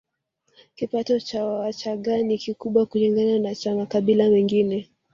Kipato cha Wachagga ni kikubwa kulingana na cha makabila mengine